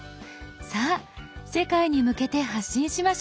さあ世界に向けて発信しましょう！